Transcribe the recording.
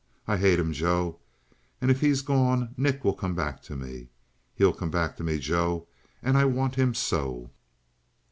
I hate him, Joe. And if he's gone Nick will come back to me. He'll come back to me, Joe; and I want him so!"